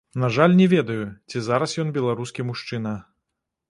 На жаль, не ведаю, ці зараз ён беларускі мужчына.